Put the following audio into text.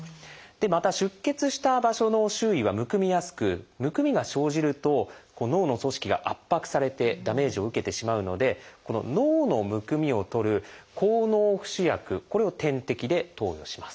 また出血した場所の周囲はむくみやすくむくみが生じると脳の組織が圧迫されてダメージを受けてしまうので脳のむくみを取る「抗脳浮腫薬」これを点滴で投与します。